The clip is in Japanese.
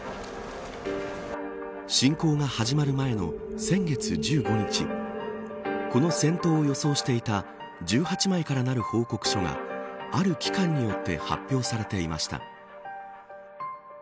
侵攻が始まる前の先月１５日この戦闘を予想していた１８枚からなる報告書がある機関によって発表されていました。